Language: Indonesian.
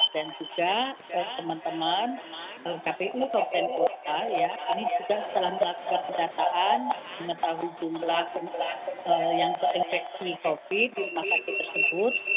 dan juga teman teman kpu provinsi dan kpu kabupaten kota ini juga telah melakukan pendataan mengetahui jumlah yang terinfeksi covid sembilan belas di rumah sakit tersebut